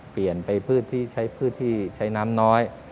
เปลี่ยนไปพืชที่ใช้พืชที่ใช้น้ำน้อย